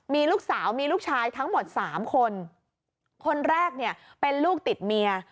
มีลูกสาวมีลูกชายทั้งหมดสามคนคนแรกเนี่ยเป็นลูกติดเมีย